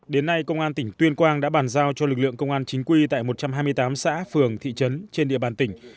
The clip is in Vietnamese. đến nay công an tỉnh tuyên quang đã bàn giao cho lực lượng công an chính quy tại một trăm hai mươi tám xã phường thị trấn trên địa bàn tỉnh